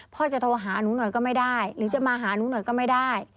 พ่อจะโทรหาหนูหน่อยก็ไม่ได้หรือจะมาหาหนูหน่อยก็ไม่ได้